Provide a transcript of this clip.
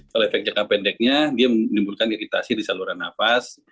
kalau efek jangka pendeknya dia menimbulkan iritasi di saluran nafas